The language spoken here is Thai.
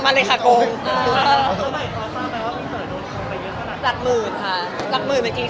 เข้าข้างล่ะเราเข้าข้าง